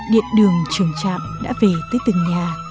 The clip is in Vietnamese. điện đường trường trạm đã về tới từng nhà